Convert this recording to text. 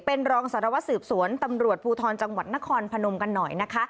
เป็นรองสารวัตรสืบสวนตำรวจภูทรจังหวัดนครพนมกันหน่อยนะคะ